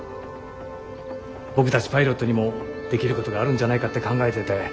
僕たちパイロットにもできることがあるんじゃないかって考えてて。